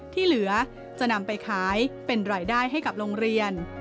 ที่เหลือจะนำไปขายเป็นรายได้ให้กับโรงเรียน